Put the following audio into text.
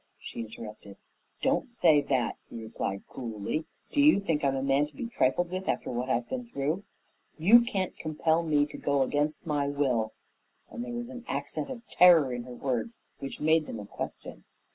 she interrupted. "Don't say that," he replied coolly. "Do you think I'm a man to be trifled with after what I've been through?" "You can't compel me to go against my will," and there was an accent of terror in her words which made them a question.